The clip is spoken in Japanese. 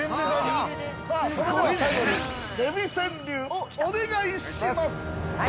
◆さあ、それでは最後にデヴィ川柳、お願いします！